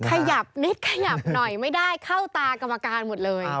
ขยับนิดขยับหน่อยไม่ได้เข้าตากรรมการหมดเลย